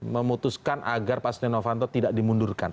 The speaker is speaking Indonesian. memutuskan agar pastian novanto tidak dimundurkan